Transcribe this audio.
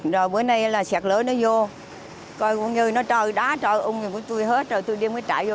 rồi bữa nay là xẹt lửa nó vô coi như nó trời đá trời ung thì tôi hết rồi tôi đem cái trại vô